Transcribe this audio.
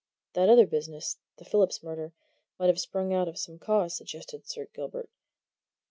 "That other business the Phillips murder might have sprung out of the same cause," suggested Sir Gilbert.